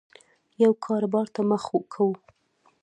یو کاربار ته مخه کوو